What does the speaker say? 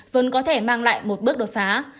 vẫn có thể mang lại một bước đột phá